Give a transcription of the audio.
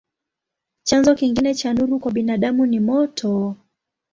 Chanzo kingine cha nuru kwa binadamu ni moto.